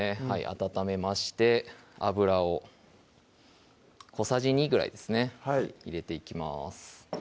温めまして油を小さじ２ぐらいですね入れていきます